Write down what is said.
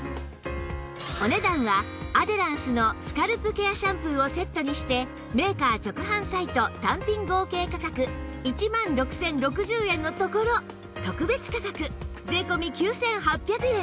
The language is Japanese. お値段はアデランスのスカルプケアシャンプーをセットにしてメーカー直販サイト単品合計価格１万６０６０円のところ特別価格税込９８００円